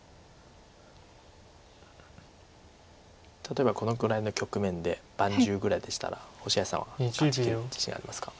例えばこのぐらいの局面で盤１０ぐらいでしたら星合さんは勝ちきる自信ありますか？